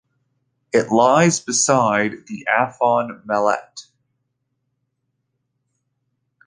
It lies beside the Afon Mellte.